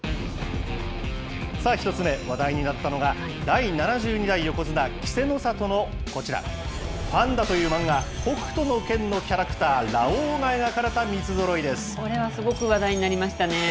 １つ目、話題になったのが、第７２代横綱・稀勢の里のこちら、ファンだという漫画、北斗の拳のキャラクター、これはすごく話題になりましたね。